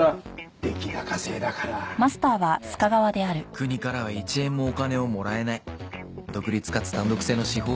国からは一円もお金をもらえない独立かつ単独制の司法機関。